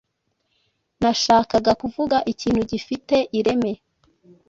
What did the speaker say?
Nashakaga kuvuga ikintu gifite ireme.